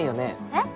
えっ？